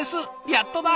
やっとだ！